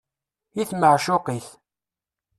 I tmeɛcuq-it.